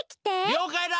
・りょうかいだ！